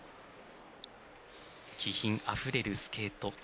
気品あふれるスケート。